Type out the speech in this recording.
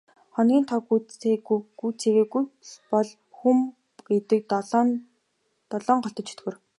Хоногийн тоо нь гүйцээгүй л бол хүн гэдэг долоон голтой чөтгөр.